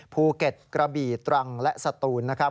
ภูเก็ตกระบี่ตรังและสตูนนะครับ